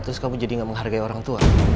terus kamu jadi gak menghargai orang tua